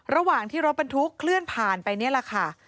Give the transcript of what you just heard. ระหว่างที่รถบรรทุกเคลื่อนผ่านไปนี่แหละค่ะ